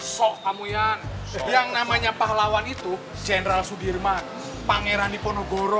sop kamu yang yang namanya pahlawan itu general sudirman pangeran niponogoro